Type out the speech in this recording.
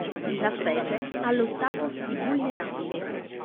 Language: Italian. La specie ha lo status di vulnerabile.